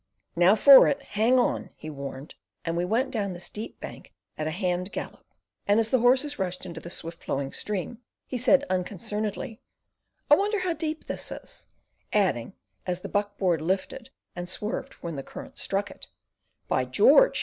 "Now for it! Hang on!" he warned, and we went down the steep bank at a hand gallop; and as the horses rushed into the swift flowing stream, he said unconcernedly: "I wonder how deep this is," adding, as the buck board lifted and swerved when the current struck it: "By George!